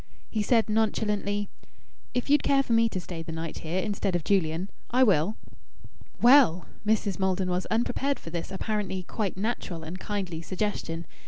He said, nonchalantly "If you'd care for me to stay the night here instead of Julian, I will." "Well " Mrs. Maldon was unprepared for this apparently quite natural and kindly suggestion.